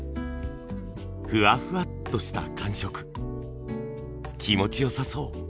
ふわふわっとした感触気持ち良さそう。